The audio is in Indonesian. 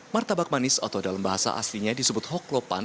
martabak manis atau dalam bahasa aslinya disebut hoklopan